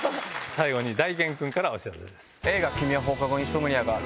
最後に大兼君からお知らせです。